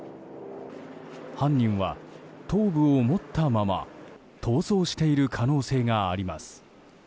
犯人は頭部を持ったまま逃走している可能性があります。